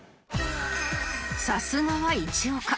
さすがは一岡